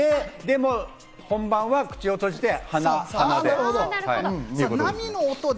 でも本番は口を閉じて鼻で。